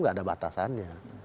tidak ada batasannya